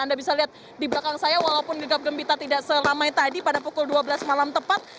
anda bisa lihat di belakang saya walaupun gegap gembita tidak selama tadi pada pukul dua belas malam tepat